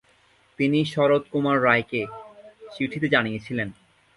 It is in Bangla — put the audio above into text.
তিনি শরৎ কুমার রায়কে চিঠিতে জানিয়েছিলেন -